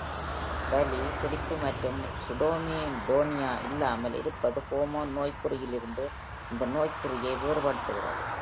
வலி பிடிப்பு மற்றும் சூடோமியோடோனியா இல்லாமல் இருப்பது ஹாஃப்மேன் நோய்க்குறியிலிருந்து இந்த நோய்க்குறியை வேறுபடுத்துகிறது.